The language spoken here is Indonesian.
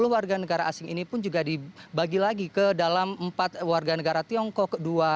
sepuluh warga negara asing ini pun juga dibagi lagi ke dalam empat warga negara tiongkok